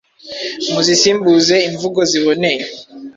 muzisimbuze imvugo ziboneye.